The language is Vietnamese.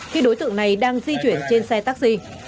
khi đối tượng này đang di chuyển trên xe taxi